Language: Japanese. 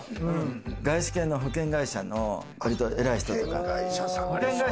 外資系の保険会社の偉い人とか。